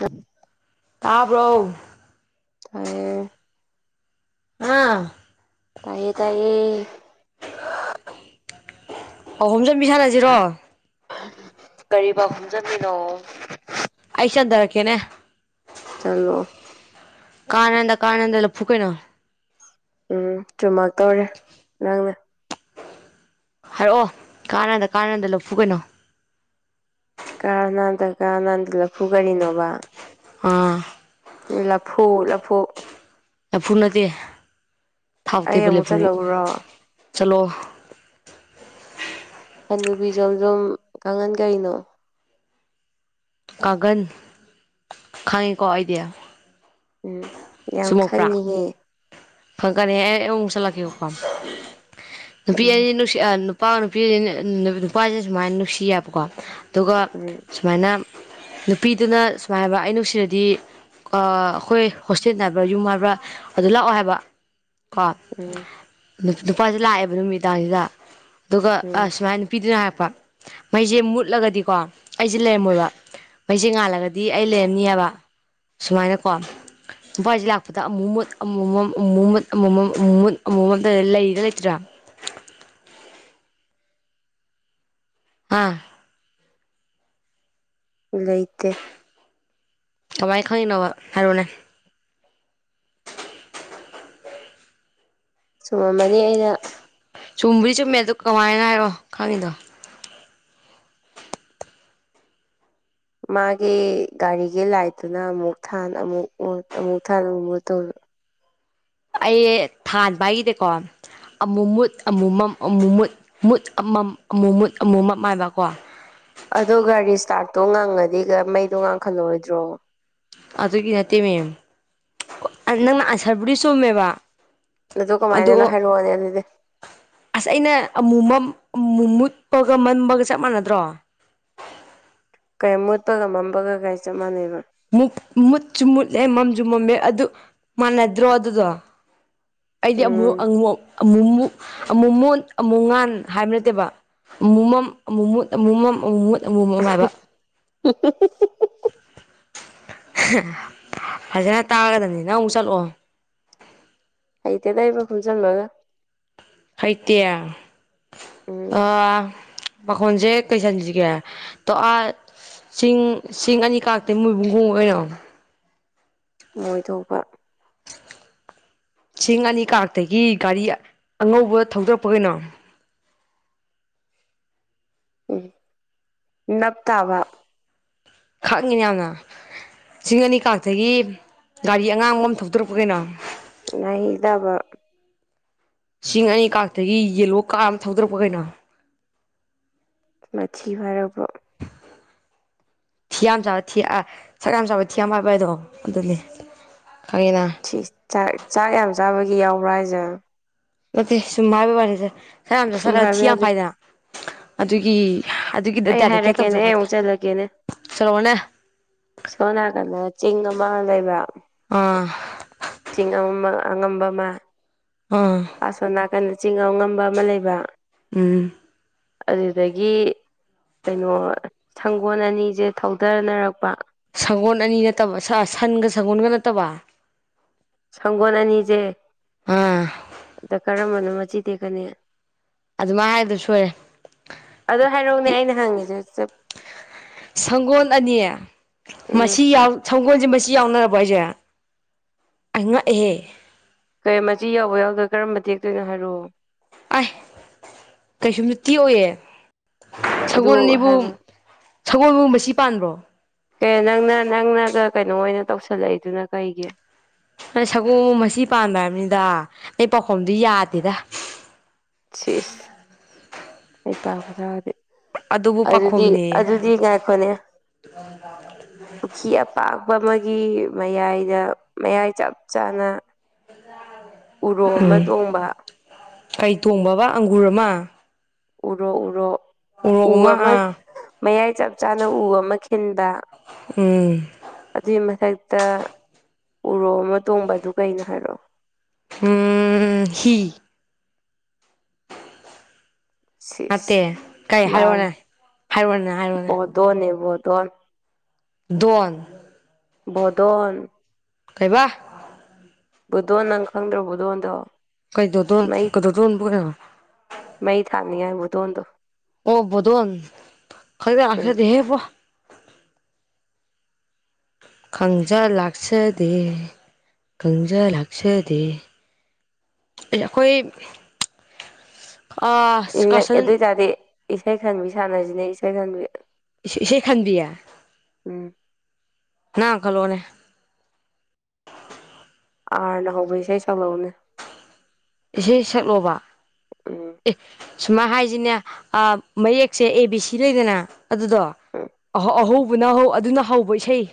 ꯎꯝ [unintelligible] ꯇꯥꯕ꯭ꯔꯣ ꯇꯌꯦ ꯑꯥ ꯇꯥꯏꯌꯦ ꯇꯌꯦ ꯑ ꯍꯣꯝꯖꯟꯕꯤ ꯁꯥꯟꯅꯁꯤꯔꯣ ꯀꯔꯤ ꯄꯥꯎꯈꯣꯡ ꯆꯟꯂꯤꯅꯣ ꯑꯩ ꯆꯟꯗꯔꯛꯀꯦꯅꯦ ꯆꯂꯣ ꯀꯔꯥ ꯅꯥꯟꯊ ꯀꯔꯥ ꯅꯥꯟꯊ ꯂꯐꯨ ꯀꯩꯅꯣ ꯎꯝ ꯆꯨꯝꯃꯥꯛ ꯇꯧꯔꯦ ꯅꯪꯅꯦ ꯍꯥꯏꯔꯛꯑꯣ ꯀꯔꯥ ꯅꯥꯟꯊ ꯀꯔꯥ ꯅꯥꯟꯊ ꯂꯐꯨ ꯀꯩꯅꯣ ꯀꯔꯥ ꯅꯥꯟꯊ ꯀꯔ ꯥ ꯅꯥꯟꯊ ꯂꯐꯨ ꯀꯔꯤꯅꯣꯕ ꯑꯥ ꯂꯐꯨ ꯂꯐꯨ ꯂꯐꯨ ꯅꯠꯇꯦ ꯊꯥꯎ ꯑꯩ ꯇꯩꯕ ꯑꯃꯨꯛ ꯂꯐꯨ ꯆꯠꯂꯧꯔꯣ ꯆꯠꯂꯣ ꯍꯅꯨꯕꯤ ꯖꯣꯝꯖꯣꯝ ꯀꯥꯡꯈꯟ ꯀꯩꯅꯣ ꯀꯥꯒꯟ ꯈꯥꯡꯉꯦꯀꯣ ꯑꯩꯗꯤ ꯎꯝ ꯌꯥꯝ ꯁꯨꯝꯃꯛꯄ꯭ꯔꯥ ꯈꯪꯉꯤꯍꯦ ꯐꯪꯒꯅꯤꯍꯨꯛ ꯆꯠꯂꯛꯀ ꯀ ꯐ ꯎꯝ ꯑ ꯅꯨꯄꯥ ꯅꯨꯄꯤꯅ ꯅꯨꯄꯥꯁꯤꯅ ꯁꯨꯃꯥꯏꯅ ꯅꯨꯡꯁꯤꯌꯦꯕꯀꯣ ꯑꯗꯨꯒ ꯎꯝ ꯁꯨꯃꯥꯏꯅ ꯅꯨꯄꯤꯗꯨꯅ ꯁꯨꯃꯥꯏꯅ ꯍꯥꯏꯕ ꯑꯩ ꯅꯨꯡꯁꯤꯔꯗꯤ ꯑꯩꯈꯣꯏ ꯁꯤꯠ ꯏꯕ꯭ꯔꯥ ꯌꯨꯝ ꯕ꯭ꯔꯥ ꯑꯗꯨ ꯂꯥꯛꯑꯣ ꯍꯥꯏꯕ ꯀꯣ ꯎꯝ ꯅꯨꯄꯥꯁ ꯂꯥꯛꯑꯦꯕ ꯅꯨꯃꯤꯗꯥꯡꯁꯤꯗ ꯑꯗꯨꯒ ꯎꯝ ꯑꯁ ꯁꯨꯃꯥꯏꯅ ꯅꯨꯄꯤꯗꯨꯅ ꯍꯥꯏꯔꯛꯄ ꯃꯩꯁꯦ ꯃꯨꯠꯂꯒꯗꯤꯀꯣ ꯑꯩꯁꯦ ꯂꯩꯔꯝꯃꯣꯏꯕ ꯃꯩꯁꯦ ꯉꯥꯜꯂꯒꯗꯤ ꯑꯩ ꯂꯩꯔꯅꯤꯑꯕ ꯁꯨꯃꯥꯏꯅꯀꯣ ꯎꯄꯥꯥꯏꯁꯦ ꯂꯥꯛꯄꯗ ꯑꯃꯨꯛ ꯃꯨꯠ ꯑꯃꯨꯃꯝ ꯑꯃꯨ ꯃꯨꯠ ꯑꯃꯃꯝ ꯑꯃꯨꯛ ꯃꯨꯠ ꯑꯃꯨꯃꯝꯇ ꯂꯩꯒ ꯂꯩꯇ꯭ꯔꯥ ꯍꯥꯥ ꯂꯩꯇꯦ ꯀꯃꯥꯏ ꯈꯪꯏꯅꯣꯕ ꯍꯥꯏꯔꯛꯎꯅꯦ ꯆꯨꯝꯃꯝꯃꯅꯤ ꯑꯩꯅ ꯆꯨꯝꯕꯔꯤ ꯆꯨꯝꯃꯦ ꯑꯣ ꯀꯃꯥꯏꯅ ꯍꯥꯏꯔꯣ ꯈꯪꯉꯤꯗꯣ ꯃꯥꯒꯤ ꯒꯥꯔꯤꯒꯤ ꯂꯥꯏꯠꯇꯨꯅ ꯑꯃꯨꯛ ꯊꯥꯟ ꯑꯃꯨꯛ ꯃꯨꯠ ꯑꯃꯨꯛ ꯊꯥꯟ ꯑꯃꯨꯛ ꯃꯨꯠ ꯇꯧꯔꯤꯕ ꯑꯩ ꯊꯥꯟꯕ ꯍꯥꯏꯗꯤꯀꯣ ꯑꯃꯨ ꯃꯨꯠ ꯑꯃꯨ ꯃꯝ ꯑꯃꯨ ꯃꯨꯠ ꯃꯨꯠ ꯑꯃꯝ ꯑꯃꯨ ꯃꯨꯠ ꯑꯃꯨ ꯃꯝ ꯍꯥꯏꯕꯀꯣ ꯑꯗꯨꯒꯥ ꯔꯤꯁꯇꯔꯠꯇꯣ ꯉꯪꯉꯥꯗꯤ ꯃꯩꯗꯣ ꯉꯥꯡꯈꯠꯂꯣꯏꯗ꯭ꯔꯣ ꯑꯗꯨꯒꯤ ꯅꯠꯇꯦꯃꯦ ꯅꯪꯅ ꯑꯟꯁꯔꯕꯨꯗꯤ ꯆꯨꯝꯃꯦꯕ ꯑꯗꯨ ꯀꯃꯥꯏꯅꯅ ꯑꯗꯣ ꯍꯥꯏꯔꯛꯑꯣꯅꯦ ꯑꯗꯨꯗꯤ ꯑꯁ ꯑꯩꯅ ꯑꯃꯨ ꯑꯃꯨ ꯃꯨꯠꯄꯒ ꯃꯟꯕꯒ ꯆꯞ ꯃꯥꯟꯅꯗ꯭ꯔꯣ ꯀꯩ ꯃꯨꯠꯄꯒ ꯃꯝꯕꯒꯔꯤ ꯆꯞ ꯃꯥꯟꯅꯩꯕ ꯃꯨꯠꯁꯨ ꯃꯨꯠꯂꯦ ꯃꯝꯁꯨ ꯃꯝꯃꯦ ꯑꯗꯨ ꯃꯥꯟꯅꯗ꯭ꯔꯣ ꯑꯗꯨꯗꯣ ꯑꯩꯗꯤ ꯑꯃꯨꯛ ꯎꯝ ꯑꯃꯨꯃꯨꯛ ꯑꯃꯨꯛ ꯃꯨꯠ ꯑꯃꯨꯛ ꯉꯥꯟ ꯍꯥꯏꯕ ꯅꯠꯇꯦꯕ ꯑꯃꯨꯛ ꯃꯝ ꯑꯃꯨꯛ ꯃꯨꯠ ꯑꯃꯨ ꯃꯝ ꯑꯃꯨꯛ ꯃꯨꯠ ꯑꯃꯣ ꯑꯃ ꯑꯃꯥꯏꯕ [unintelligible] ꯐꯖꯅ ꯇꯥꯒꯗꯅꯤ ꯅꯪ ꯑꯃꯨꯛ ꯆꯠꯂꯑꯣ ꯍꯩꯇꯦꯗꯩꯕ ꯈꯨꯝꯁꯟꯂꯒ ꯍꯩꯇꯦ ꯎꯝ ꯑꯥ ꯄꯈꯣꯡꯁꯦ ꯀꯩ ꯆꯟꯁꯤꯒꯦ ꯇꯣ ꯑꯥ ꯆꯤꯡ ꯆꯁꯤꯡ ꯑꯅꯤ ꯀꯛꯇ ꯃꯣꯏꯕꯨꯡ ꯍꯣꯡ ꯑꯣꯏꯔ ꯃꯣꯏ ꯊꯣꯛꯄ ꯁꯤꯡ ꯑꯅꯤ ꯀꯛꯇꯒꯤ ꯒꯥꯔꯤ ꯑꯉꯧꯕ ꯊꯧꯗꯔꯛꯄ ꯀꯩꯅꯣ ꯎ ꯅꯞ ꯇꯥꯕ ꯈꯪꯉꯤꯅ ꯌꯥꯝꯅ ꯁꯤꯡ ꯑꯅꯤ ꯀꯛꯇꯒꯤ ꯒꯥꯔꯤ ꯑꯉꯥꯡꯕ ꯑꯃ ꯊꯧꯇꯣꯔꯛꯄ ꯀꯩꯅꯣ ꯅꯍꯤ ꯇꯥꯕ ꯆꯤꯡ ꯑꯅꯤ ꯀꯥꯔꯛꯇꯒꯤ ꯌꯦꯜꯂꯣ ꯀꯥꯔ ꯑꯃ ꯊꯧꯗꯔꯛꯄ ꯀꯩꯅꯣ ꯃꯊꯤ ꯍꯥꯏꯔꯛꯄ [inaudible] ꯊꯤꯌꯥꯝ ꯆꯥꯕ ꯊꯤ ꯁꯛ ꯌꯥꯝ ꯆꯥꯕ ꯊꯤꯌꯥꯝ ꯍꯥꯏꯕ ꯍꯥꯏꯗꯣ ꯑꯗꯨꯅꯤ ꯈꯪꯉꯦꯅ ꯁꯤ ꯆꯥꯛ ꯆꯥꯛ ꯌꯥꯝ ꯆꯥꯕꯒꯤ ꯌꯥꯎꯕ꯭ꯔꯥ ꯍꯥꯏꯁꯦ ꯅꯠꯇꯦ ꯁꯨꯝ ꯍꯥꯏꯕꯩ ꯋꯥꯅꯦꯗ ꯆꯥꯛ ꯌꯥꯝ ꯁꯨꯝ ꯆꯥꯁꯤꯟꯂꯒ ꯊꯤ ꯍꯥꯏꯕ ꯌꯥꯝ ꯌꯥꯗꯦ ꯐꯥꯏꯗꯅ ꯑꯗꯨꯒꯤ ꯑꯗꯨꯒꯤ ꯑꯩ ꯗꯦꯗꯤꯀꯦꯠ ꯍꯥꯏꯔꯛꯀꯦꯅꯦ ꯇꯧꯖꯕ ꯑꯩ ꯑꯃꯨꯛ ꯆꯟꯂꯛꯀꯦꯅꯦ꯫ ꯁꯣꯔꯣꯛꯍꯣꯏꯅ ꯁꯣꯝ ꯅꯀꯟꯗ ꯆꯤꯡ ꯑꯃ ꯂꯩꯕ꯫ ꯑꯥ ꯆꯤꯡ ꯑꯉꯝꯕ ꯑꯉꯝꯕ ꯑꯃ꯫ ꯑꯥ꯫ ꯑꯁꯣꯝ ꯅꯥꯀꯟꯗ ꯆꯤꯡ ꯑꯉꯝꯕ ꯑꯃ ꯂꯩꯕ꯫ ꯎꯝ꯫ ꯑꯗꯨꯗꯒꯤ꯫ ꯀꯩꯅꯣ ꯁꯪꯒꯣꯜ ꯑꯅꯤꯁꯦ ꯊꯧꯗꯅꯔꯛꯄ꯫ ꯁꯒꯣꯜ ꯑꯅꯤ ꯅꯠꯇꯕ ꯁꯟꯒ ꯁꯒꯣꯜꯒ ꯅꯠꯇꯕ꯫ ꯁꯪꯒꯣꯜ ꯑꯅꯤꯁꯦ ꯑꯥ ꯑꯗ ꯀꯔꯝꯕꯅꯣ ꯃꯆꯤ ꯇꯦꯛꯀꯅꯤ꯫ ꯑꯗꯨꯃꯥꯏ ꯍꯥꯏꯕꯗꯣ ꯁꯣꯏꯔꯦ꯫ ꯑꯗꯣ ꯍꯥꯏꯔꯛꯎꯅꯦ ꯑꯩꯅ ꯍꯪꯉꯤꯁꯦ ꯆꯞ ꯁꯪꯒꯣꯜ ꯑꯅꯤ ꯎꯝ ꯃꯆꯤ ꯌꯥꯎ ꯁꯒꯣꯜꯁꯦ ꯃꯆꯤ ꯌꯥꯎꯅꯔꯕꯣ ꯍꯥꯏꯁꯦ ꯑꯩ ꯉꯛꯑꯦꯍꯦ꫰꫰ ꯀꯩ ꯃꯆꯤ ꯌꯥꯎꯕ ꯌꯥꯎꯗꯕ ꯀꯔꯝꯕ ꯇꯦꯛꯇꯣꯏꯅꯣ ꯍꯥꯏꯔꯛꯑꯣ꯫ ꯑꯥꯏ ꯀꯩꯁꯨꯨꯝ ꯇꯦꯛꯑꯣꯏꯌꯦ ꯑꯗꯨ ꯁꯒꯣꯜ ꯑꯅꯤꯕꯨ ꯍꯥꯏꯕ ꯁꯒꯣꯜꯕꯨ ꯃꯆꯤ ꯄꯥꯟꯕ꯭ꯔꯣ꯫ ꯀꯩꯅꯣ ꯅꯪꯅ ꯅꯪꯅꯒ ꯀꯩꯅꯣ ꯑꯣꯏꯅ ꯇꯧꯁꯜꯂꯛꯏꯗꯨꯅ ꯀꯩꯒꯤ꯫ ꯁꯒꯣꯜꯕꯨ ꯑꯆꯤ ꯄꯥꯟꯕ꯭ꯔ ꯍꯥꯏꯕꯅꯤꯗ ꯅꯪ ꯄꯥꯎꯈꯨꯝꯗꯨ ꯌꯥꯗꯦꯗ꫰꫰ ꯁꯤꯁ ꯍꯩꯄꯥ ꯈꯨꯁꯥꯗꯤ꯫ ꯑꯗꯨꯕꯨ ꯑꯗꯨꯗꯤ ꯄꯥꯈꯣꯝꯅꯦꯌꯦ ꯑꯗꯨꯗꯤ ꯉꯥꯏꯈꯣꯅꯦ꯫ [unintelligible] ꯄꯨꯈ꯭ꯔꯤ ꯑꯄꯥꯛꯄ ꯑꯃꯒꯤ ꯃꯌꯥꯏꯗ ꯃꯌꯥꯏ ꯆꯞ ꯆꯥꯅ꯫ [unintelligible] ꯎꯔꯣꯛ ꯑꯃ ꯎꯝ ꯇꯣꯡꯕ꯫ ꯀꯩ ꯇꯣꯡꯕ ꯑꯪꯒꯨꯔ ꯑꯃ꯫ ꯎꯔꯣ ꯎꯔꯣ꯫ ꯎ ꯎꯔꯣꯛ ꯑꯃ ꯑꯥ ꯃꯌꯥꯏ ꯆꯞ ꯆꯥꯅ ꯎ ꯑꯃ ꯈꯤꯟꯕ꯫ ꯎꯝ ꯑꯗꯨꯏ ꯃꯊꯛꯇ ꯎꯔꯣ ꯑꯃ ꯇꯣꯡꯕ ꯑꯗꯨ ꯀꯩꯅꯣ ꯍꯥꯏꯔꯛꯑꯣ꯫ ꯎꯝ ꯍꯤ꯫ ꯁꯤꯁ ꯅꯠꯇꯦ ꯀꯩ ꯂꯥꯜꯂꯦ ꯍꯥꯏꯔꯣꯅꯦ ꯍꯥꯏꯔꯣꯅꯦ ꯍꯥꯏꯔꯣꯅꯦ ꯕꯣꯗꯣꯟꯅꯦ ꯕꯣꯗꯣꯟ꯫ ꯗꯣꯟ꯫ ꯄꯨꯗꯣꯟ꯫ ꯀꯩꯕ꯫ ꯄꯨꯗꯣꯟ ꯅꯪ ꯈꯪꯗ꯭ꯔꯣ ꯄꯨꯗꯣꯟꯗꯣ꯫ ꯀꯩꯗꯣꯗꯣꯟ ꯀꯩꯗꯣꯗꯣꯟꯕꯨ [unintelligible] ꯃꯩ ꯊꯥꯟꯅꯤ ꯉꯥꯏ ꯄꯨꯗꯣꯟꯗꯨ꯫ ꯑꯣ ꯄꯨꯗꯣꯟ ꯈꯪꯖ ꯎꯝ ꯂꯥꯛꯆꯗꯦꯍꯦ ꯏꯕꯣ꯫ ꯈꯪꯖ ꯂꯥꯛꯆꯗꯦ ꯈꯪꯖ ꯂꯥꯛꯆꯗꯦ꯫ ꯑꯩꯈꯣꯏ꯫ ꯑꯗꯨ ꯀꯥꯁꯟ ꯑꯣꯏꯇꯥꯔꯗꯤ ꯏꯁꯩ ꯈꯟꯕꯤ ꯁꯥꯟꯅꯁꯤꯅꯦ ꯏꯁꯩ ꯈꯟꯕꯤ꯫ ꯏꯁꯩ ꯈꯟꯕꯤꯌꯦ ꯎꯝ ꯅꯪ ꯍꯥꯟ ꯈꯜꯂꯣꯅꯦ꯫ ꯑꯥꯔꯅ ꯍꯧꯕ ꯏꯁꯩ ꯁꯛꯂꯥꯛꯑꯣꯅꯦ꯫ ꯏꯁꯩ ꯁꯛꯂꯣꯕ ꯎꯝ ꯑꯦ꯫ ꯁꯨꯃꯥꯏ ꯍꯥꯏꯁꯤꯅꯦ ꯑꯥ ꯃꯌꯦꯛꯁꯦ ꯑꯦ ꯕꯤ ꯁꯤ ꯂꯩꯗꯅ ꯑꯗꯨꯗꯣ ꯎꯝ ꯑꯍꯧ ꯄꯨꯅꯍꯧ ꯑꯗꯨꯅ ꯍꯧꯕ ꯏꯁꯩ꯫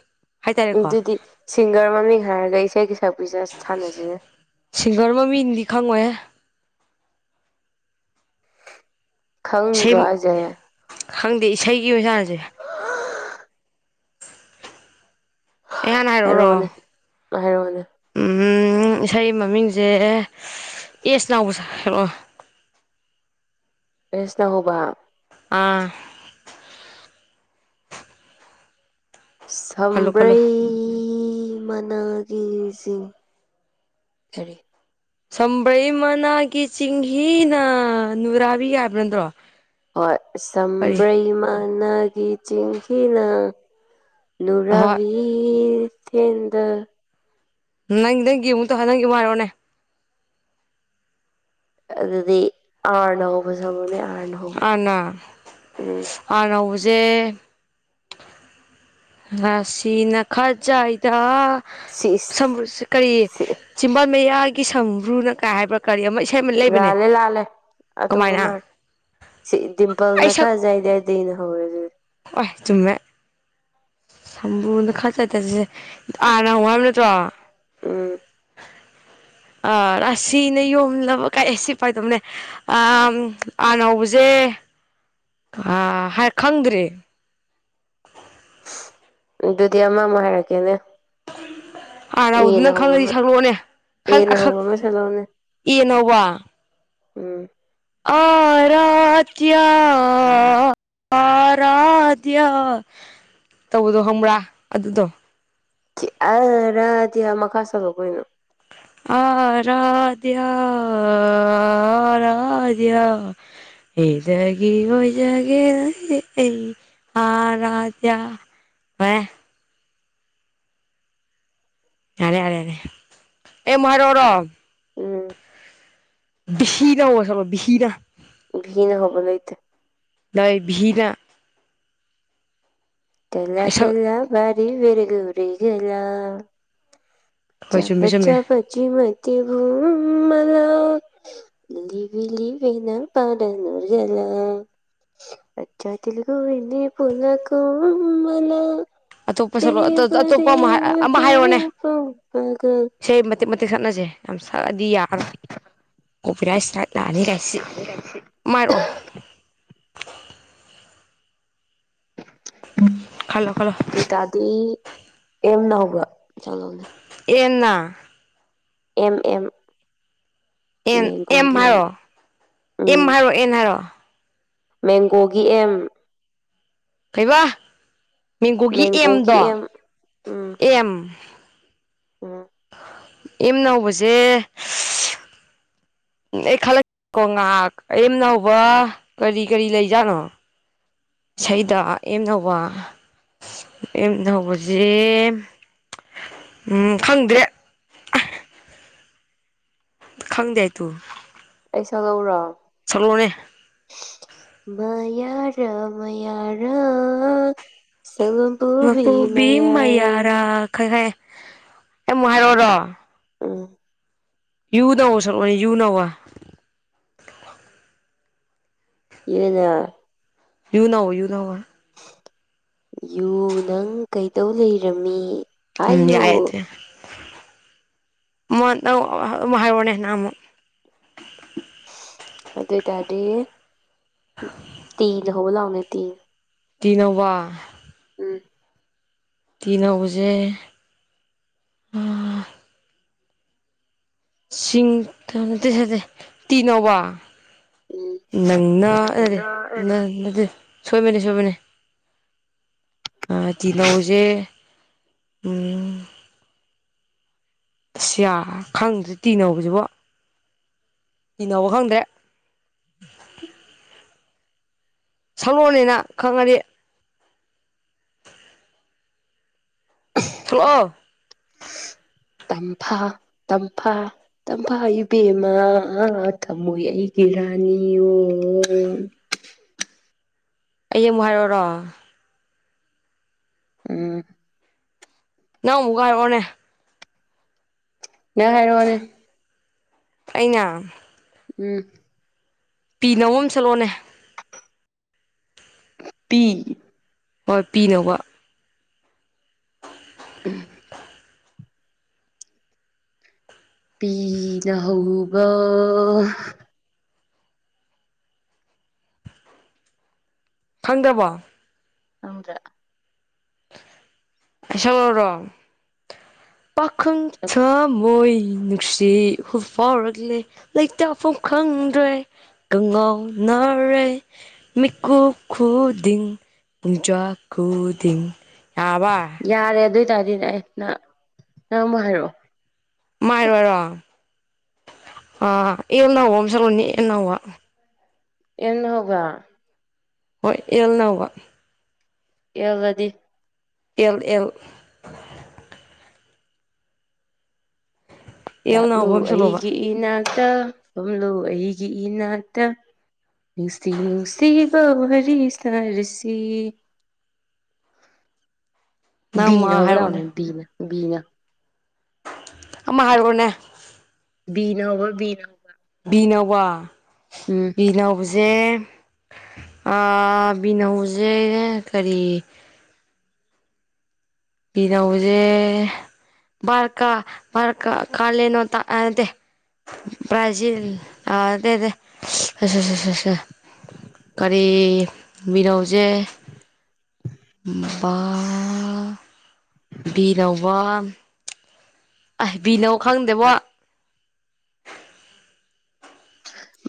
ꯍꯥꯏꯇꯥꯔꯦꯀꯣ ꯑꯗꯨꯗꯤ ꯁꯤꯡꯒꯔ ꯃꯃꯤꯡ ꯍꯥꯏꯔꯒ ꯏꯁꯩꯒꯤ ꯁꯛꯄꯤꯁꯦ ꯑꯁ ꯁꯥꯟꯅꯁꯤꯅꯦ꯫ ꯁꯤꯡꯒꯔ ꯃꯃꯤꯡꯗꯤ ꯈꯪꯉꯣꯏꯍꯦ꯫ ꯏꯁꯩ ꯈꯪꯗ꯭ꯔꯣ ꯍꯥꯏꯖꯦ꯫ ꯈꯪꯗꯦ ꯏꯁꯩꯒꯤ ꯑꯣꯖꯥꯁꯦ ꯑꯑꯑ ꯑꯩ ꯍꯥꯟꯅ ꯍꯥꯏꯔꯛꯑꯣꯅꯦ ꯍꯥꯏꯔꯛꯑꯣꯔꯣ ꯍꯥꯏꯔꯣꯑꯣꯅꯦ ꯏꯁꯩ ꯃꯃꯤꯡꯁꯦ ꯑꯦꯁ ꯅꯥꯎꯕ ꯁꯥ ꯍꯥꯏꯂꯛꯑꯣ ꯑꯦꯁ ꯅ ꯍꯧꯕ ꯑꯥ ꯈꯜꯂꯣ ꯈꯜꯂꯣ ꯁꯝꯕ꯭ꯔꯩ ꯃꯅꯥꯒꯤꯁꯤꯡ ꯀꯔꯤ ꯁꯪꯕ꯭ꯔꯩ ꯃꯅꯥꯒꯤ ꯆꯤꯡꯍꯤꯅ ꯅꯨꯔꯥꯕꯤ ꯍꯥꯏꯕ ꯅꯠꯇ꯭ꯔꯣ ꯍꯣꯏ ꯀꯔꯤ ꯁꯝꯕ꯭ꯔꯩꯃꯅꯒꯤ ꯆꯦꯡꯍꯤꯅ ꯑꯍꯣꯏ ꯅꯨꯔꯕꯤ ꯆꯗ ꯅꯪ ꯅꯪꯒꯤ ꯑꯃꯨꯛꯛꯇꯧ ꯅꯪꯒꯤ ꯃꯥꯏꯔꯣꯅꯦ ꯑꯗꯨꯗꯤ ꯑꯥꯔꯅ ꯍꯧꯕ ꯁꯛꯂꯛꯑꯣꯅꯦ ꯑꯥꯔꯅ ꯍꯧꯕ ꯎꯝ ꯑꯥꯅꯧꯕꯁꯦ ꯔꯥꯁꯤꯅ ꯈꯔꯖꯏꯗ ꯁꯤꯁ ꯁꯝꯕꯔꯨꯁꯦ ꯀꯔꯤ ꯁꯤ ꯆꯤꯝꯕꯥꯜ ꯃꯌꯥꯒꯤ ꯁꯝ꯭ꯔꯨꯅ ꯀꯥꯏ ꯍꯥꯏꯕ꯭ꯔꯥ ꯀꯔꯤ ꯑꯃ ꯑꯃ ꯂꯩꯕꯅꯦ ꯂꯥꯂꯦ ꯂꯥꯂꯦ ꯑꯇꯣꯕ ꯃꯥ ꯀꯃꯥꯏꯅ ꯁꯤ ꯑꯩ ꯗꯤꯝꯄꯜꯅ ꯁꯛ ꯈꯔꯖꯏꯗꯏꯗꯅ ꯍꯧꯔꯦ ꯑꯗꯨꯗꯤ ꯍꯣꯏ ꯆꯨꯝꯃꯦ ꯁꯝꯕꯨꯗ ꯈꯔ ꯆꯠ ꯆꯠꯁꯤꯁꯦ ꯑꯥꯅ ꯍ ꯍꯥꯏꯝ ꯅꯠꯇ꯭ꯔꯣ [inaudible] ꯎꯝ ꯑꯁꯤꯅ ꯌꯣꯝꯂꯅꯕ ꯀꯥꯏ ꯑꯦ ꯁꯤ ꯄꯥꯏꯗꯧꯅꯦ ꯑꯥꯝ ꯑꯥꯔꯅ ꯍꯧꯕꯁꯦ ꯑ ꯈꯪꯗ꯭ꯔꯦ ꯑꯗꯨꯗꯤ ꯑꯃ ꯑꯃꯨꯛ ꯍꯥꯏꯔꯛꯀꯦꯅꯦ ꯑꯥꯔꯅ ꯍꯨꯕꯗꯨ ꯑꯦꯅ ꯅꯪ ꯍꯧꯕ ꯈꯪꯉꯗꯤ ꯑꯃ ꯁꯛꯂꯛꯑꯣꯅꯦ ꯈꯪ ꯑꯦꯅ ꯑꯈꯛ ꯍꯧꯕ ꯑꯃ ꯁꯜꯂꯛꯎꯅꯦ ꯑꯦꯅ ꯍꯧꯕꯥ ꯎꯝ ꯑꯥꯔꯥ [unintelligible] ꯇꯧꯕꯗꯣ ꯍꯪꯕ꯭ꯔꯥ ꯑꯗꯨꯗꯣ ꯑ ꯔꯥꯗꯤ ꯌꯥ ꯃꯈꯥ ꯁꯛꯂꯛꯑꯣ ꯀꯩꯅꯣ [unintelligible] ꯏꯗꯒꯤ ꯑꯣꯏꯖꯒꯦ ꯑꯩ ꯑꯥ ꯔꯥ ꯗꯤꯌꯥ ꯍꯥ [inaudible] ꯌꯥꯔꯦ ꯌꯥꯔꯦ ꯌꯥꯔꯦ ꯑꯦ ꯃꯍ ꯍꯥꯏꯔꯛꯔꯣ ꯎꯝ ꯕꯤꯍꯤꯅ ꯆ ꯕꯤꯍꯤꯅ ꯕꯤꯍꯤꯅ ꯍꯧꯕꯥ ꯂꯩꯇꯦ ꯅꯣꯏ ꯚꯤꯍꯤꯒ ꯇꯂ ꯍꯣꯏ ꯇꯂ ꯔꯤ ꯔꯦꯒꯨ ꯎꯔꯒꯂ ꯆꯨꯝꯃꯦ ꯆꯄ ꯆꯨꯝꯃꯦ ꯆ ꯄꯆ ꯃ ꯃꯂ ꯂꯤꯕꯤ ꯂꯤꯕꯤ ꯅꯪꯄꯗ ꯅꯨꯖꯥ ꯅꯥ꯫ [unintelligible] ꯑꯇꯣꯞꯄ ꯁꯛꯂꯣ ꯑꯇꯣꯞꯄ ꯑꯃ ꯑꯃ ꯍꯥꯏꯔꯛꯑꯣꯅꯦ ꯗꯕꯗꯦꯕꯗꯦꯕ ꯒ ꯏꯁꯩ ꯃꯇꯤꯦꯛ ꯃꯇꯤꯦꯛ ꯁꯛꯅꯁꯦ ꯌꯥꯝ ꯁꯛꯑꯗꯤ ꯌꯥꯔꯣꯏ ꯀꯣꯄꯤꯔꯥꯏꯁ ꯒꯥꯏꯗ ꯂꯥꯛꯑꯅꯤ ꯀꯥꯏꯁꯤ ꯃꯥꯏꯔꯛꯑꯣ ꯈꯜꯂꯣ ꯈꯜꯂꯣ ꯗꯣꯏꯇꯥꯗꯤ ꯑꯦꯝ ꯅ ꯍꯧꯕ ꯁꯛꯂꯣꯑꯣꯅꯦ ꯑꯦꯟꯅ ꯑꯦꯝ ꯑꯦꯝ ꯑꯦꯟ ꯑꯦꯝꯍꯥꯏꯔꯣ ꯑꯦꯝꯍꯥꯏꯔꯣ ꯑꯦꯟ ꯍꯥꯏꯥꯔꯣ ꯃꯦꯡꯒꯣꯒꯤ ꯑꯦꯝ ꯀꯩꯕ ꯃꯦꯡꯒꯣꯒꯤ ꯑꯦꯝꯗꯣ ꯑꯦꯝ ꯎꯝ ꯑꯦꯝꯅ ꯍꯧꯕꯖꯦ ꯎꯝ ꯑꯩ ꯈꯜꯂꯛ ꯀꯣ ꯉꯥꯍꯥꯛ ꯑꯦꯝꯅ ꯍꯧꯕ ꯀꯔꯤ ꯀꯔꯤ ꯂꯩꯖꯥꯠꯅꯣ ꯏꯁꯩꯗ ꯑꯦꯝꯅ ꯍꯧꯕ ꯑꯦꯝꯅ ꯍꯧꯕꯖꯤ ꯎꯝ ꯈꯪꯗ꯭ꯔꯦ ꯈꯪꯗꯦ ꯏꯇꯨ ꯑꯩ ꯁꯛꯂꯛꯎꯔꯣ ꯁꯛꯂꯛꯑꯣꯅꯦ ꯃꯌꯥꯔꯥ ꯃꯌꯥꯔꯥ ꯁꯛꯂꯣꯟ ꯃꯄꯨꯕꯤ ꯃꯌꯥꯔꯥ ꯈꯪꯉꯦ ꯈꯪꯉꯦ ꯑꯩ ꯑꯃꯨꯛ ꯍꯥꯏꯔꯣꯔꯣ ꯎꯝ ꯌꯨꯗꯧꯕ ꯁꯛꯂꯛꯑꯣꯅꯦ ꯌꯨ ꯅ ꯍꯧꯕ ꯀꯤꯔꯦꯗꯥ ꯌꯨꯅ ꯍꯧꯕ ꯌꯨꯅ ꯍꯧꯕ ꯌꯨ ꯅꯪ ꯀꯩꯗꯧ ꯂꯩꯔꯝꯃꯤ ꯎꯝ ꯍꯥꯏꯌꯨ ꯌꯥꯏ ꯑꯗꯨ ꯌꯥꯏ ꯎꯃꯠ ꯅꯪ ꯑꯃ ꯍꯥꯏꯔꯣꯅꯦ ꯅꯪ ꯑꯃꯨꯛ ꯑꯗꯣꯏꯇꯥꯔꯗꯤ ꯇꯤꯅ ꯍꯧꯕ ꯂꯥꯎꯅꯦ ꯇꯤꯅ ꯇꯤꯅ ꯍꯧꯕ ꯎꯝ ꯇꯤꯅ ꯍꯧꯕꯖꯦ ꯁꯤꯡ ꯇꯅꯠꯇꯦ ꯖꯥꯠꯇꯦ ꯇꯤꯅ ꯍꯧꯕ ꯎꯝ ꯅꯪꯅ ꯑꯦ ꯅꯠꯇꯦ ꯅꯪꯅ ꯑꯦ ꯅꯪ ꯅꯠꯇꯦ ꯁꯣꯏꯕꯅꯤ ꯁꯣꯏꯕꯅꯤ ꯑ ꯇꯤꯅꯧꯖꯦ ꯎꯝ ꯑꯁꯁ꯭ꯌꯥ ꯈꯪꯗ꯭ꯔꯦ ꯇꯤꯅ ꯍꯧꯕꯖꯤꯕꯣ ꯇꯤꯅ ꯍꯧꯕ ꯈꯪꯗ꯭ꯔꯦ ꯁꯛꯂꯛꯑꯣꯅꯦ ꯅꯪ ꯈꯪꯉꯗꯤ ꯊꯨꯛꯑꯣ ꯇꯝꯐꯥ ꯇꯝꯐꯥ ꯇꯝꯐꯥ ꯏꯕꯦꯝꯃꯥ ꯊꯝꯃꯣꯏ ꯑꯩꯒꯤ ꯔꯥꯅꯤꯌꯣ ꯑꯩ ꯑꯃꯨꯛ ꯍꯥꯏꯔꯛꯑꯣꯔꯣ ꯎꯝ ꯅꯪ ꯑꯃꯨꯛꯀ ꯍꯥꯏꯔꯛꯑꯣꯅꯦ ꯅꯪ ꯍꯥꯏꯔꯛꯑꯣꯅꯦ ꯑꯩꯅ ꯎꯝ ꯄꯤꯅ ꯍꯧꯕ ꯑꯃ ꯁꯛꯂꯛꯑꯣꯅꯦ ꯄꯤ ꯍꯣꯏ ꯄꯤꯅ ꯍꯧꯕ ꯎꯝ [unintelligible] ꯄꯤꯅꯍꯧꯕꯥ ꯈꯪꯗ꯭ꯔꯕꫭ ꯈꯪꯗ꯭ꯔꯦ ꯑꯩ ꯁꯛꯂꯛꯔꯣꯔꯣ ꯄꯥꯈꯪ ꯊꯃꯣꯏ ꯅꯨꯡꯁꯤ ꯗꯤ ꯏꯐꯨ ꯐꯥꯎꯔꯛꯂꯦ ꯂꯩꯇꯥꯐꯝ ꯈꯪꯗ꯭ꯔꯦ ꯀꯉꯥꯎꯅꯔꯦ ꯃꯤꯀꯨꯞ ꯈꯨꯗꯤꯡ ꯄꯨꯡꯖꯥ ꯈꯨꯗꯤꯡ ꯌꯥꯔꯕ ꯌꯥꯔꯦ ꯑꯗꯨ ꯑꯣꯏꯇꯥꯔꯗꯤꯅꯦ ꯑꯩ ꯅꯪ ꯅꯪ ꯑꯃꯨꯛ ꯍꯥꯏꯔꯛꯑꯣ ꯃꯥꯏꯔꯣꯏꯔꯣ ꯑꯥ ꯌꯦꯜꯅꯥꯎꯧꯕ ꯑꯃ ꯆꯠꯂꯨꯅꯤ ꯑꯦꯜꯅꯥꯧꯕ ꯑꯦꯜꯅ ꯍꯧꯒ ꯍꯣꯏ ꯑꯦꯜꯅ ꯍꯧꯕ [unintelligible] ꯑꯦꯜ ꯏꯜ ꯑꯦꯜ ꯂꯥꯛꯂꯨ ꯅꯧꯕ ꯑꯃ ꯁꯛꯂꯛꯑꯣꯕ ꯑꯩꯒꯤ ꯏ ꯅꯥꯛꯇ ꯐꯝꯂꯨ ꯑꯩꯒꯤ ꯏꯅꯥꯛꯇ ꯅꯤꯡꯁꯤ ꯅꯨꯡꯁꯤꯕ ꯋꯥꯔꯤ ꯁꯥꯔꯁꯤ [inaudible] ꯅꯪ ꯑꯃ ꯕꯤꯅ ꯍꯥꯏꯔꯛꯑꯣꯅꯦ ꯍꯕꯂꯅꯤꯕꯤꯅꯕꯤꯅ ꯑꯃ ꯍꯥꯏꯔꯣꯅꯦ ꯕꯤꯅꯕ ꯕꯤꯅꯋꯥ ꯎꯝ ꯕꯤꯅ ꯍꯧꯕꯁꯦ ꯑꯥ ꯕꯤꯅ ꯍꯧꯕꯁꯦ ꯀꯔꯤ ꯄꯤꯅ ꯍꯧꯕꯁꯦ ꯥꯕꯥꯔꯀꯥ ꯕꯥꯔꯀꯥ ꯈꯂꯦꯅꯣꯇꯥ ꯑꯦ ꯅꯠꯇꯦ ꯭ꯔꯥꯖꯤꯜ ꯑ ꯀꯔꯤ ꯕꯤꯅ ꯍꯧꯕꯁꯦ ꯕꯥ ꯄꯤꯅꯋꯥ ꯑꯍꯕꯤꯅꯣ ꯈꯪꯗꯦꯕꯣ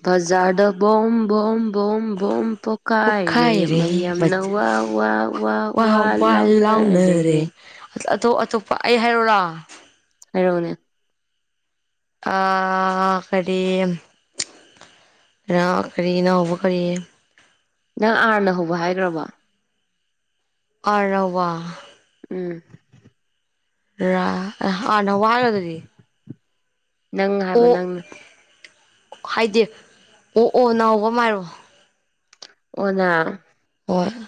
ꯕꯖꯥꯔ ꯗ ꯕꯨꯝ ꯕꯨꯝ ꯕꯣꯝ ꯕꯣꯝ ꯄꯣꯈꯥꯏꯔꯦ ꯄꯣꯛꯈꯥꯏꯔꯦ ꯃꯌꯥꯝꯅ ꯕꯖ ꯋꯥ ꯋꯥ ꯋꯥ ꯋꯥ ꯋꯥ ꯂꯥꯎꯅꯔꯦ ꯑꯇꯣꯞ ꯑꯇꯣꯞꯄ ꯑꯩ ꯍꯥꯏꯔꯛꯎꯔꯣ ꯍꯥꯏꯔꫭꯅꯦ ꯑ ꯀꯔꯤ ꯔꯥ ꯀꯔꯤꯅꯅꯥꯍꯎꯕ ꯀꯔꯤ ꯅꯪ ꯑꯥꯔꯅ ꯍꯧꯕ ꯍꯥꯏꯈ꯭ꯔꯕꯣ ꯑꯔꯋꯥ ꯎꯝ ꯔꯥ ꯑꯥꯔꯅ ꯍꯧꯕ ꯑꯃ ꯍꯥꯏꯒ꯭ꯔꯗꯨꯗꯤ ꯅꯪ ꯍꯥꯏꯕ ꯅꯪꯅ ꯍꯥꯏꯗꯦ ꯑꯣ ꯑꯣ ꯅꯥꯍꯧꯕ ꯑꯝꯍꯥꯏꯔꫭ ꯑꯣꯅꯥ ꯍꫭꯏ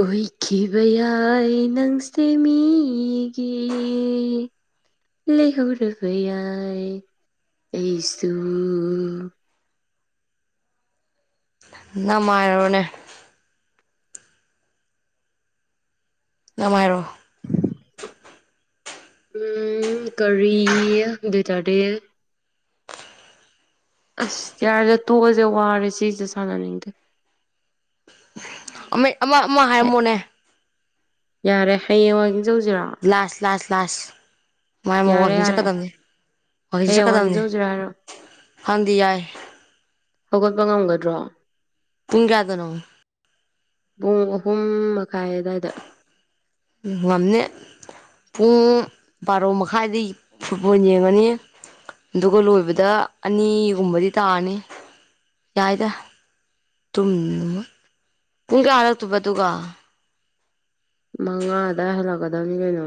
ꯑꯣꯏꯏꯈꯤꯕꯈꯤꯕ ꯌꯥꯏ ꯅꯪꯁ ꯃꯤꯒꯤꯦ ꯂꯩꯍꯧꯔꯕ ꯌꯥꯏ ꯑꯩꯁꯨꯨꯡ ꯅꯃꯥꯏꯔꯣꯅꯦ ꯅꯨꯡꯉꯥꯏꯔꯣ ꯎꯝ ꯀꯔꯤ ꯑꯗꯨ ꯑꯣꯏꯇꯥꯔꯗꯤ ꯑꯁ ꯌꯥꯔꯗ ꯇꯣꯛꯑꯁꯦ ꯋꯥꯔꯦ ꯁꯤꯁꯦ ꯁꯥꯟꯅꯅꯤꯡꯗꯦ ꯑꯃ ꯑꯃ ꯑꯃ ꯍꯥꯏꯔꯝꯃꯣꯅꯦ ꯌꯥꯔꯦ ꯍꯌꯦꯡꯋꯥꯏꯒꯤꯡ ꯆꯧꯖꯤꯔꫭ ꯂꯥꯁ ꯂꯥꯁ ꯂꯥꯁ ꯃꯥꯏ ꯑꯃ ꯌꯥꯔꯦ ꯋꯥꯛꯀꯤꯡ ꯌꯥꯔꯦ ꯆꯠꯀꯗꯕꯅꯤ ꯋꯀꯤꯡꯁ ꯍꯌꯦꯡ ꯋꯥꯛꯀꯤꯡ ꯆꯠꯀꯗꯝꯕꯅꯤ ꯆꯧꯁꯤꯔꯣ ꯍꯥꯏꯔꯣ ꯍꯪꯗꯤ ꯌꯥꯏ ꯍꯧꯒꯠꯄ ꯉꯝꯒꯗ꯭ꯔꯣ ꯄꯨꯡ ꯀꯌꯥꯗꯅꯣ ꯄꯨꯡ ꯑꯍꯨꯝ ꯃꯈꯥꯏ ꯑꯋꯥꯏꯗ ꯉꯝꯃꯦ ꯄꯨꯡ ꯕꯥꯔꯣ ꯃꯈꯥꯏꯗꯒꯤ ꯐꯨꯠꯕꯣꯜ ꯌꯦꯡꯉꯅꯤ ꯑꯗꯨꯒ ꯂꯣꯏꯕꯗ ꯑꯅꯤꯒꯨꯝꯕꯗꯤ ꯇꯥꯔꯅꯤ ꯌꯥꯏꯗ ꯨꯝ ꯄꯨꯡ ꯀꯌꯥꯔꯛꯇꯕ ꯑꯗꯨꯒ ꯃꯉꯥꯗꯥ ꯍꯜꯂꯛꯀꯗꯕꯅꯤ ꯀꯩꯅꯣ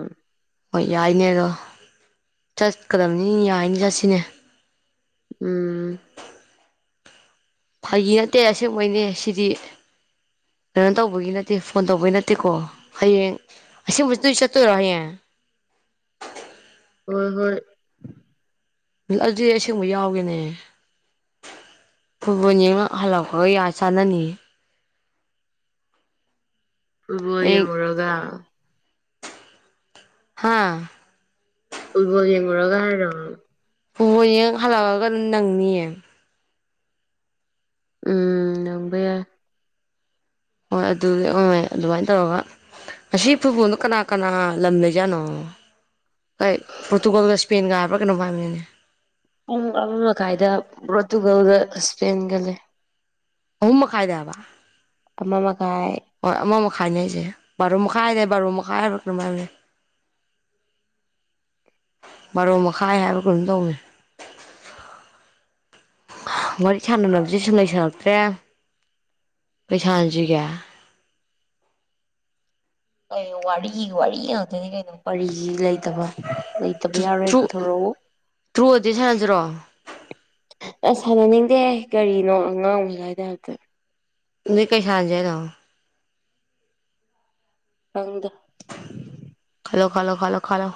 ꯍꯣꯏ ꯌꯥꯏꯅꯦꯔꯣ ꯆꯠꯀꯗꯕꯅꯤ ꯌꯥꯏꯅꯤ ꯆꯠꯁꯤꯅꯦ ꯎꯝ ꯐꯒꯤ ꯅꯠꯇꯦ ꯑꯁꯦꯡꯕꯩꯅꯦ ꯁꯤꯗꯤ ꯀꯩꯅꯣ ꯇꯧꯕꯒꯤ ꯅꯠꯇꯦ ꯐꯣꯟ ꯇꯧꯕꯒꯤ ꯅꯠꯇꯦꯀꯣ ꯍꯌꯦꯡ ꯑꯁꯤꯁꯦ ꯃꯁꯔꯤ ꯆꯠꯠꯇꯔꯦ ꯍꯣꯏ ꯍꯣꯏ ꯑꯗꯨꯗꯤ ꯑꯁꯦꯡꯕꯩ ꯌꯥꯎꯒꯦꯅꯦ ꯐꯨꯠꯕꯣꯜ ꯌꯦꯅ ꯍꯜꯂꯥꯎꯄꯒ ꯌꯥ ꯆꯥꯟꯅꯅꯤ ꯐꯨꯠꯕꯣ ꯑꯩ ꯌꯦꯡꯂꯡꯨꯔꯒ ꯍꯥꯥ ꯐꯨꯠꯕꯣꯜ ꯌꯦꯡꯉꯨꯔꯒꯔ ꯄꯨꯕꯣꯅ ꯍꯥꯜꯑꯒ ꯅꯪꯅꯤ ꯎꯝ ꯅꯪꯕ ꯌꯥꯏ ꯍꯣꯏ ꯑꯗꯨꯗꯤ ꯍ ꯑꯗꯨꯃꯥꯏꯅ ꯇꯧꯔꯒ ꯉꯁꯤ ꯐꯨꯠꯕꫭꯜꯗꯣ ꯀꯅꯥ ꯀꯅꯥ ꯂꯝ ꯂꯩꯖꯥꯠꯅꯣ ꯀꯩ ꯄꯣꯔꯇꯨꯒꯜꯒ ꯁ꯭ꯄꯦꯟꯒ ꯍꯥꯏꯕ꯭ꯔꯥ ꯀꯩꯅꯣꯝ ꯍꯥꯏꯕꯅꯤꯅꯦ ꯄꯨꯡ ꯑꯃ ꯃꯈꯥꯏꯗ ꯄꯣꯔꯇꯨꯒꯜꯗ ꯏꯁꯄꯦꯟꯒ ꯂꯩ ꯑꯍꯨꯝꯃꯈꯥꯏ ꯗꯍꯥꯏꯕ ꯑꯃ ꯃꯈꯥꯏ ꯍꯣꯏ ꯑꯃ ꯃꯈꯥꯏꯅꯦ ꯑꯩꯁꯦ ꯕꯥꯔꯣ ꯃꯈꯥꯏꯅꯦ ꯕꯥꯔꯣ ꯃꯈꯥꯏ ꯍꯥꯏꯕ꯭ꯔ ꯀꯩꯔꫭꯝ ꯍꯥꯏꯕꯅꯦ ꯕꯥꯔꫭ ꯃꯈꯥꯏ ꯍꯥꯏꯕꯔ ꯀꯩꯅꫭꯝ ꯇꯧꯕꯅꯦ ꯋꯥꯔꯤ ꯁꯥꯟꯅꯅꯕꯁꯤ ꯁꯨꯝ ꯂꯩꯩ ꯁꯥꯟꯅꯛꯇ꯭ꯔꯦ ꯀꯩꯁꯥꯟꯅꯟꯁꯤꯒꯦ ꯀꯩꯅꯣ ꯋꯥꯔꯤꯒꯤ ꯋꯥꯔꯤ ꯉꯥꯛꯇꯅꯤ ꯀꯩꯅꯣ ꯀꯔꯤꯒꯤ ꯂꯩꯇꯕ ꯂꯩꯇꯕ ꯌꯥꯔꯣꯏ ꯇ꯭ꯔꯨ ꯄꯨꯊꯣꯔꯛꯎ ꯇ꯭ꯔꯨ ꯑꯣꯏꯔꯗꯤ ꯁꯥꯟꯅꯁꯤꯔꯣ ꯑꯁ ꯁꯥꯟꯅꯅꯤꯡꯗꯦꯍꯦ ꯀꯔꯤꯅꯣ ꯑꯉꯥꯡ ꯃꯥꯏ ꯇꯥꯏꯞꯇ ꯎꯅꯤꯛ ꯀꯩꯁꯥꯟꯖꯦ ꯍꯥꯏꯅꯣ ꯈꯪꯗꯦ ꯈꯜꯣ ꯈꯜꯣ ꯈꯜꯣ ꯈꯂꯣ